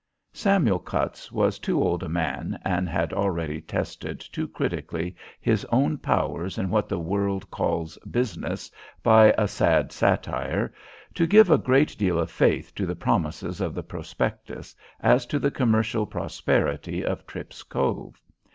Samuel Cutts was too old a man, and had already tested too critically his own powers in what the world calls "business," by a sad satire, to give a great deal of faith to the promises of the prospectus, as to the commercial prosperity of Tripp's Cove.